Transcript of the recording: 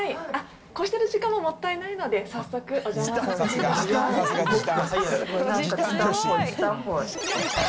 こうしてる時間ももったいないので、早速お邪魔させていただきますね。